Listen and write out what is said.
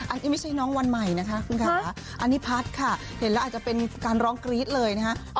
อันนี้ไม่ใช่น้องวันใหม่นะคะคุณค่ะอันนี้พัฒน์ค่ะเห็นแล้วอาจจะเป็นการร้องกรี๊ดเลยนะคะ